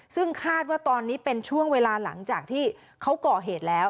ซึ่งคาดว่าตอนนี้เป็นช่วงเวลาหลังจากที่เขาก่อเหตุแล้ว